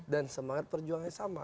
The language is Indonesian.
dan semangat perjuangannya sama